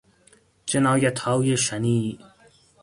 جنایتهای شنیع